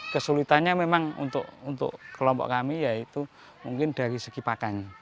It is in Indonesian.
kesulitannya memang untuk kelompok kami yaitu mungkin dari segi pakan